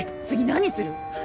次何する？